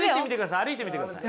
歩いてみてください